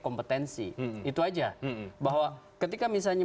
kompetensi itu aja bahwa ketika misalnya